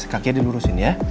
kaki dilurusin ya